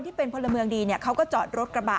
คนที่เป็นพลเมืองดีเนี่ยเขาก็จอดรถกระบะ